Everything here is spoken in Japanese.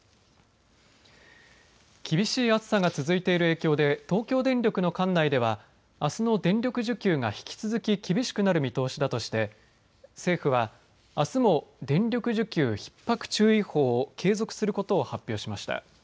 厳しい暑さが続いている影響で東京電力の管内ではあすの電力需給が引き続き厳しくなる見通しだとして政府は、あすも電力需給ひっ迫注意報を継続することを発表しました。